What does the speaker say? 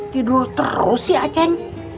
tidur terus sih achen